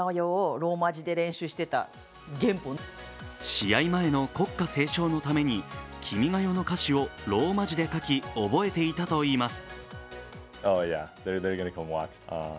試合前の国歌斉唱のために「君が代」の歌詞をローマ字で書き、覚えていたといいます。